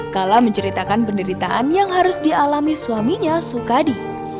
kala menceritakan penderitaan yang harus dialami suaminya sukadi